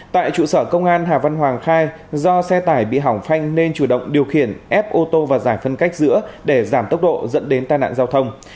tại trụ sở công an hà văn hoàng khai do xe tải bị hỏng phanh nên chủ động điều khiển ép ô tô và giải phân cách giữa để giảm tốc độ dẫn đến tai nạn giao thông